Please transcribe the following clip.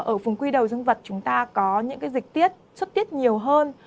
ở vùng quy đầu dân vật chúng ta có những dịch tiết xuất tiết nhiều hơn